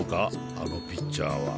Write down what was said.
あのピッチャーは。